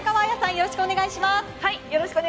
よろしくお願いします。